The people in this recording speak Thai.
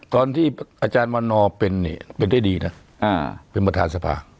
ตอนที่อาจารย์วันนอร์เป็นเนี่ยเป็นได้ดีนะเป็นประธานสภา